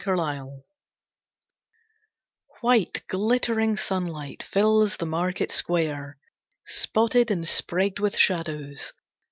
Market Day White, glittering sunlight fills the market square, Spotted and sprigged with shadows.